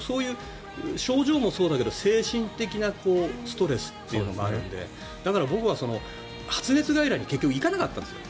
症状もそうだけど精神的なストレスっていうのもあるのでだから僕は発熱外来に結局行かなかったんですよ。